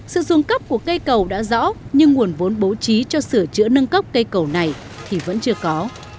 sự dùng cấp của cây cầu đã rõ nhưng nguồn vốn bố trí cho sửa chữa nâng cấp cây cầu này thì vẫn chưa có